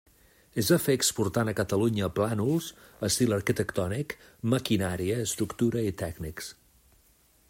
Es va fer exportant a Catalunya plànols, estil arquitectònic, maquinària, estructura i tècnics.